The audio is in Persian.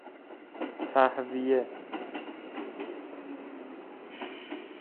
تﮩویه